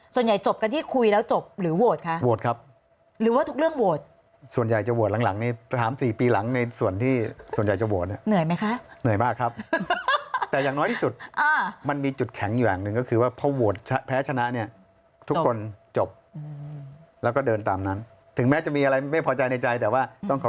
ส่วนใหญ่จบกันที่คุยแล้วจบหรือโหวตคะโหวตครับหรือว่าทุกเรื่องโหวตส่วนใหญ่จะโหวตหลังนี้๓๔ปีหลังในส่วนที่ส่วนใหญ่จะโหวตเนี่ยเหนื่อยไหมคะเหนื่อยมากครับแต่อย่างน้อยที่สุดมันมีจุดแข็งอยู่อย่างหนึ่งก็คือว่าพอโหวตแพ้ชนะเนี่ยทุกคนจบแล้วก็เดินตามนั้นถึงแม้จะมีอะไรไม่พอใจในใจแต่ว่าต้องขอ